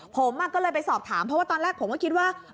ผมก็เลยไปสอบถามเพราะว่าตอนแรกผมก็คิดว่า